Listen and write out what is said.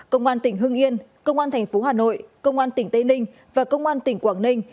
công an tỉnh hưng yên công an thành phố hà nội công an tỉnh tây ninh và công an tỉnh quảng ninh